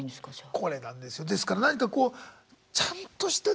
これなんですよですから何かこうちゃんとしたね